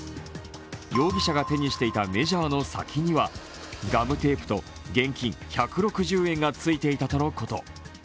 容疑者が手にしていたメジャーの先にはガムテープと現金１６０円がついていたとのこと。